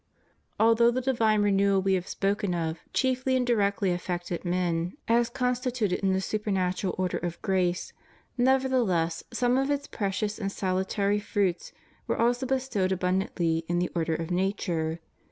Although the divine renewal we have spoken of chiefly and directly affected men as constituted in the super natural order of grace, nevertheless some of its precious and salutary fruits were also bestowed abundantly in the order of nature.